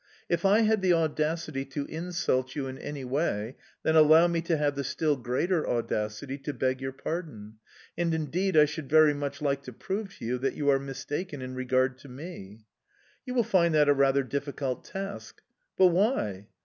"If I had the audacity to insult you in any way, then allow me to have the still greater audacity to beg your pardon... And, indeed, I should very much like to prove to you that you are mistaken in regard to me"... "You will find that a rather difficult task"... "But why?"...